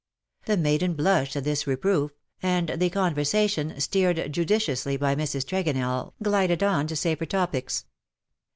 ''^ The maiden blushed, at this reproof ; and the con versation_, steered judiciously by Mrs. Tregonell, glided on to safer topics.